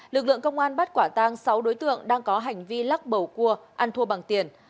lực lượng công an bắt quả tang sáu đối tượng đang có hành vi lắc bầu cua ăn thua bằng tiền